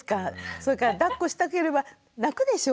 それからだっこしたければ泣くでしょ？